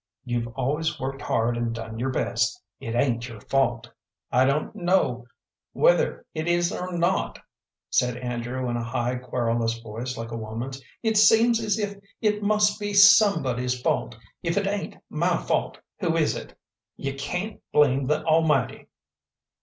You've always worked hard and done your best. It ain't your fault." "I don't know whether it is or not," said Andrew, in a high, querulous voice like a woman's. "It seems as if it must be somebody's fault. If it ain't my fault, whose is it? You can't blame the Almighty."